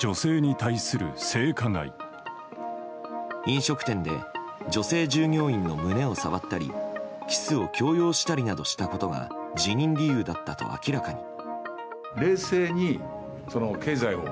飲食店で女性従業員の胸を触ったりキスを強要したりなどしたことが辞任理由だったと明らかに。